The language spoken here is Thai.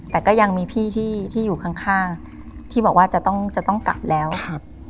แต่ก็ยังมีพี่ที่อยู่ข้างข้างที่บอกว่าจะต้องจะต้องกลับแล้วครับ